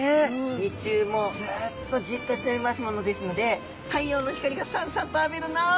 日中もうずっとじっとしていますものですので太陽の光がさんさんと浴びるな！